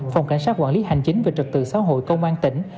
phòng cảnh sát quản lý hành chính về trật tự xã hội công an tỉnh